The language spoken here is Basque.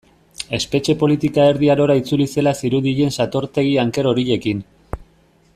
Espetxe politika Erdi Arora itzuli zela zirudien satortegi anker horiekin.